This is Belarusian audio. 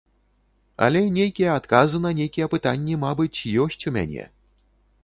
Але нейкія адказы на нейкія пытанні, мабыць, ёсць у мяне.